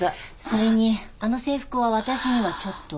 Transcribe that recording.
それにあの制服は私にはちょっと。